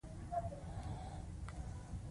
غیرتمند د انسانيت طرفدار وي